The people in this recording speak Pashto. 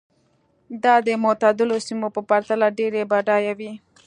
دا د معتدلو سیمو په پرتله ډېرې بډایه وې.